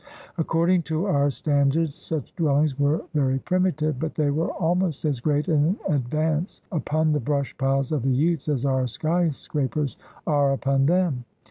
According to our standards such dwell ings were very primitive, but they were almost as great an advance upon the brush piles of the Utes as our skyscrapers are upon them.